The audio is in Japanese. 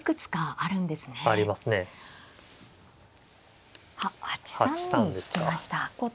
あっ８三に引きました。